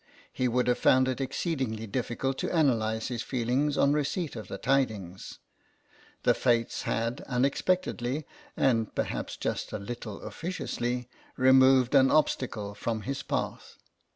He would have found it ex ceedingly difficult to analyse his feelings on receipt of the tidings. The Fates had unexpectedly (and perhaps just a little CROSS CURRENTS 97 officiously) removed an obstacle from his path.